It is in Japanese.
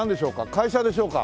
会社でしょうか？